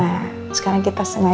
maksudnya apa saya ketusuk lagi